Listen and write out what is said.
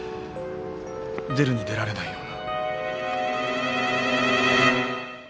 出るに出られないような。